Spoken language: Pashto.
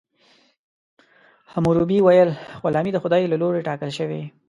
حموربي ویل غلامي د خدای له لورې ټاکل شوې.